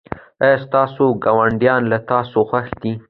ایا ستاسو ګاونډیان له تاسو خوښ دي؟